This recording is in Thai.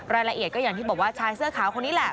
รายละเอียดก็อย่างที่บอกว่าชายเสื้อขาวคนนี้แหละ